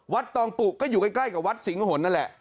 ตองปุก็อยู่ใกล้กับวัดสิงหนนั่นแหละ